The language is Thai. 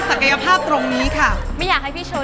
กลายเป็นหลักยิโรที่สุด